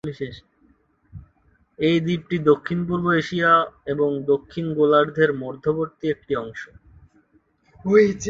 এই দ্বীপটি দক্ষিণ-পূর্ব এশিয়া এবং দক্ষিণ গোলার্ধের মধ্যবর্তী একটি অংশ।